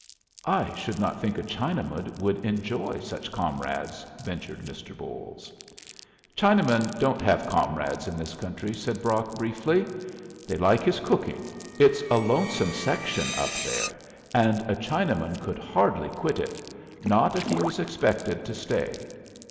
"I should not think a Chinaman would enjoy such comrades," ventured Mr. Bolles. "Chinamen don't have comrades in this country," said Brock, briefly. "They like his cooking. It's a lonesome section up there, and a Chinaman could hardly quit it, not if he was expected to stay.